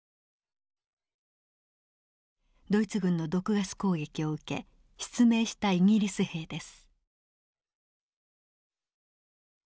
ドイツ軍の毒ガス攻撃を受け失明したイギリス兵です。